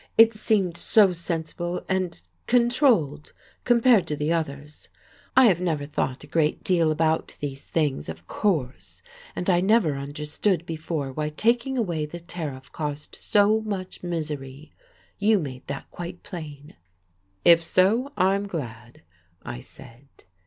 "It seemed so sensible and controlled, compared to the others. I have never thought a great deal about these things, of course, and I never understood before why taking away the tariff caused so much misery. You made that quite plain. "If so, I'm glad," I said.